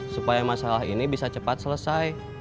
supaya masalah ini bisa cepat selesai